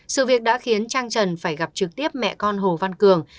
sự việc đã khiến trang trần phải gặp trực tiếp mẹ con hồ văn cường